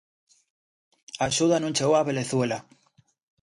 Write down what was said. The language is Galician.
A axuda non chegou a Venezuela.